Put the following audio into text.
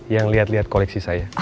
yang lihat lihat koleksi saya